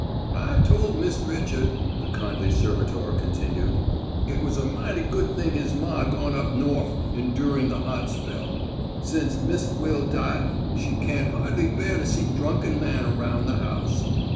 "I tole Mist' Richard," the kindly servitor continued, "it was a mighty good thing his ma gone up Norf endurin' the hot spell. Sence Mist' Will die she can't hardly bear to see drunkum man aroun' the house.